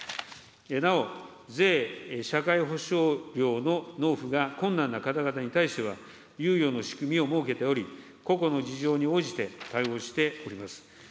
なお、税、社会保障料の納付が困難な方々に対しては、猶予の仕組みを設けており、個々の事情に応じて、対応してまいります。